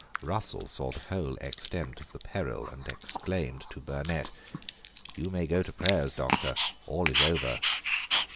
Russell saw the whole extent of the peril, and exclaimed to Burnet, "You may go to prayers, Doctor. All is over."